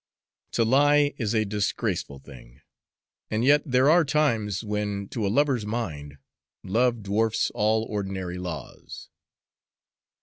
To lie is a disgraceful thing, and yet there are times when, to a lover's mind, love dwarfs all ordinary laws.